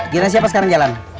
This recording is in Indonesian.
gimana siapa sekarang jalan